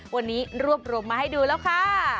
วันนี้รวบรวมมาให้ดูแล้วค่ะ